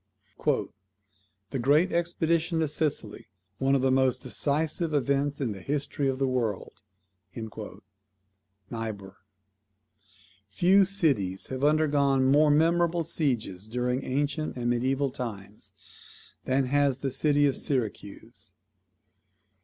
"The great expedition to Sicily, one of the most decisive events in the history of the world." NIEBUHR. Few cities have undergone more memorable sieges during ancient and mediaeval times, than has the city of Syracuse.